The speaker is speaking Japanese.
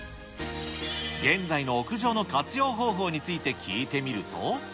現在の屋上の活用方法について聞いてみると。